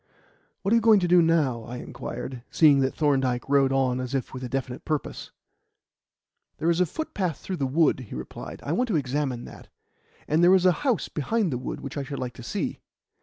"What are you going to do now?" I inquired, seeing that Thorndyke rode on as if with a definite purpose. "There is a footpath through the wood," he replied. "I want to examine that. And there is a house behind the wood which I should like to see."